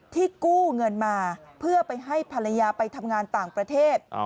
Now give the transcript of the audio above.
ที่กู้เงินมาเพื่อไปให้ภรรยาไปทำงานต่างประเทศ